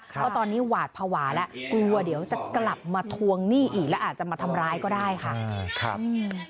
เพราะตอนนี้หวาดภาวะแล้วกลัวเดี๋ยวจะกลับมาทวงหนี้อีกแล้วอาจจะมาทำร้ายก็ได้ค่ะ